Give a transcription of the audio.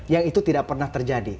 yang itu tidak pernah terjadi